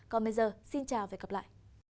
còn bây giờ xin chào và hẹn gặp lại